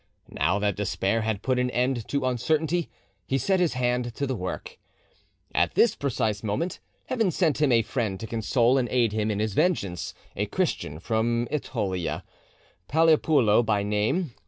Now that despair had put an end to uncertainty, he set his hand to the work. At this precise moment Heaven sent him a friend to console and aid him in his vengeance, a Christian from OEtolia, Paleopoulo by name.